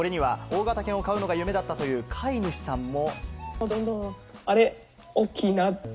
これには大型犬を飼うのが夢だったという飼い主さんも。